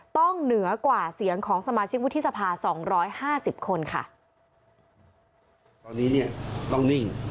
ตรงนี้ต้องนิ่ง